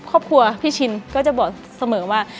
ครอบครัวพี่ชินก็จะบอกเสมอว่า